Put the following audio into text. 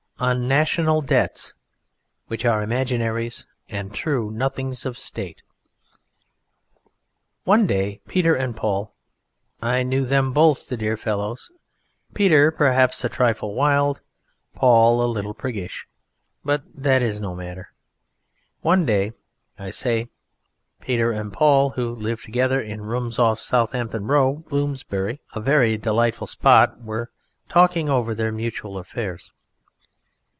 ON NATIONAL DEBTS (WHICH ARE IMAGINARIES AND TRUE NOTHINGS OF STATE) One day Peter and Paul I knew them both, the dear fellows: Peter perhaps a trifle wild, Paul a little priggish, but that is no matter one day, I say, Peter and Paul (who lived together in rooms off Southampton Row, Bloomsbury, a very delightful spot) were talking over their mutual affairs.